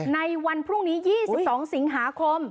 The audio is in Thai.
ในวันพรุ่งนี้๒๒สิงหาคม